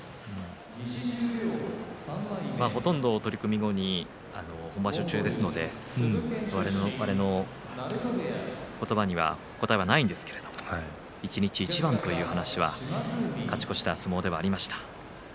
ほとんど取組後に我々の言葉には答えはないんですけれど一日一番という話は勝ち越した相撲では、ありました。